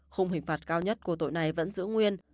khung hình phạt cao nhất của tội này vẫn giữ nguyên